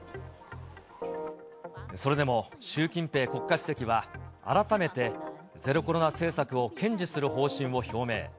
それでも習近平国家主席は、改めて、ゼロコロナ政策を堅持する方針を表明。